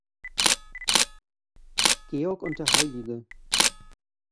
Georg und der Hl.